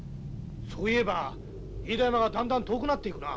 そういえば飯田山がだんだん遠くなっていくな。